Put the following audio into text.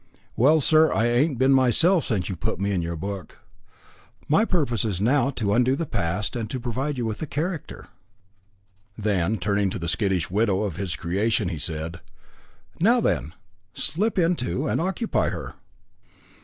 "Well, sir, I ain't been myself since you put me into your book." "My purpose is now to undo the past, and to provide you with a character." Then, turning to the skittish widow of his creation, he said, "Now, then, slip into and occupy her."